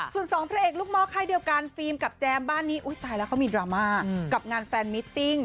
ส่วนสองพระเอกลูกห้อค่ายเดียวกันฟิล์มกับแจมบ้านนี้ตายแล้วเขามีดราม่ากับงานแฟนมิตติ้ง